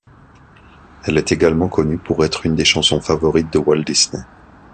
Elle est également connue pour être une des chansons favorites de Walt Disney.